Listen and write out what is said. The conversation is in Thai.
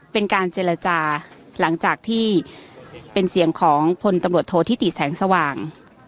เป็นการเจรจาหลังจากที่เป็นเสียงของพลตำรวจโทษธิติแสงสว่าง